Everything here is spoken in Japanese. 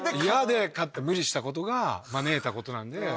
嫌で飼って無理したことが招いたことなんで。